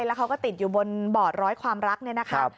และเขาติดอยู่บนบอร์ดร้อยความรักนะครับ